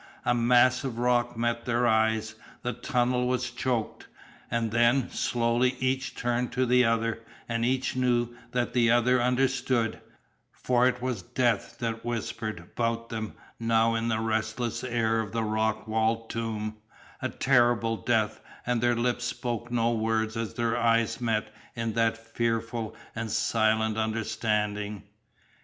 A mass of rock met their eyes. The tunnel was choked. And then, slowly, each turned to the other; and each knew that the other understood for it was Death that whispered about them now in the restless air of the rock walled tomb, a terrible death, and their lips spoke no words as their eyes met in that fearful and silent understanding.